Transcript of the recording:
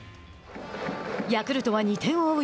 ヤクルトは２点を追う